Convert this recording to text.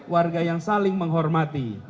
warga yang saling menghormati